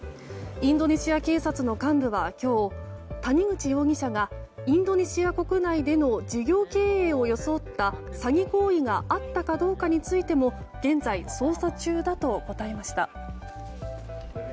インドネシア警察の幹部は今日谷口容疑者がインドネシア国内での事業経営を装った詐欺行為があったかどうかについても現在、捜査中だと答えました。